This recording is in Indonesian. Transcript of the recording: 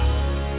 aku berharap bisa